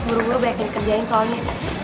buru buru banyak yang dikerjain soalnya